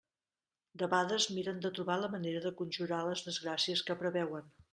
Debades miren de trobar la manera de conjurar les desgràcies que preveuen.